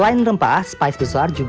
ini adalah minyak klasik